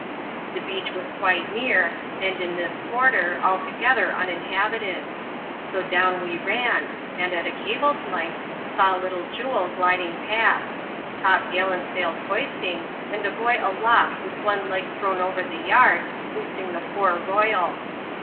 The beach was quite near, and in this quarter altogether un inhabited ; so down we ran, and, at a cable's length, saw little Jpje gliding past — top gallant sails hoisting, and a boy aloft with one leg thrown over the yard, loosing the fore royal.